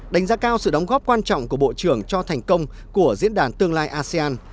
đánh giá cao sự đóng góp quan trọng của bộ trưởng cho thành công của diễn đàn tương lai asean